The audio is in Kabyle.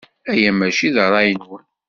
Aya maci d ṛṛay-nwen.